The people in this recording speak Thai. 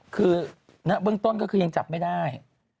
คือเบื้องต้นก็คือยังจับไม่ได้